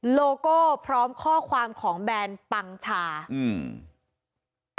โลโก้พร้อมข้อความของแบนปังชาอืม